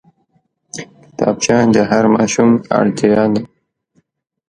کتابچه د هر ماشوم اړتيا ده